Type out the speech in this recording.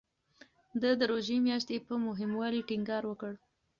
ده د روژې میاشتې په مهموالي ټینګار وکړ.